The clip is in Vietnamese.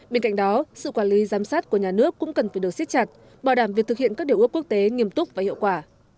bên cạnh đó sự quản lý giám sát của nhà nước cũng cần phải được siết chặt bảo đảm việc thực hiện các điều ước quốc tế nghiêm túc và hiệu quả